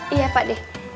iya pak d